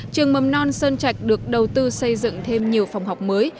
trường mầm non sơn trạch được đầu tư xây dựng thêm nhiều phòng học mới